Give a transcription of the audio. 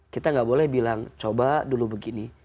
kita nggak boleh bilang coba dulu begini